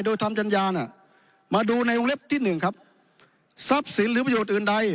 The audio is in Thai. โดยทำจัญญาน่ะมาดูในวงเล็บที่หนึ่งครับทรัพย์สินหรือประโยชน์อื่นใด